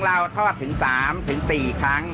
ปู่พญานาคี่อยู่ในกล่อง